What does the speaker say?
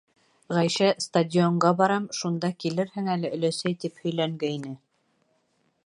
Ғәйшә, стадионға барам, шунда килерһең әле, өләсәй, тип һөйләнгәйне.